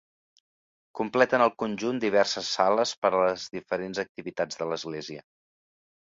Completen el conjunt diverses sales per a les diferents activitats de l'església.